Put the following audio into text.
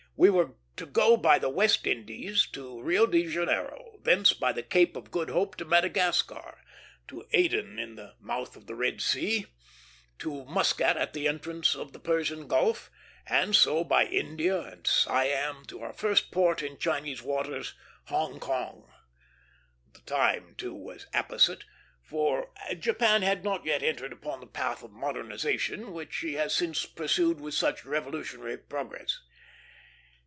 We were to go by the West Indies to Rio de Janeiro, thence by the Cape of Good Hope to Madagascar, to Aden at the mouth of the Red Sea, to Muscat at the entrance of the Persian Gulf, and so by India and Siam to our first port in Chinese waters, Hong Kong. The time, too, was apposite, for Japan had not yet entered upon the path of modernization which she has since pursued with such revolutionary progress.